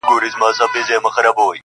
راځه او بدرګه شه ګام تر ګامه محبته!!